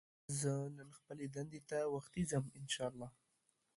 زه نن خپلې دندې ته وختي ځم ان شاءالله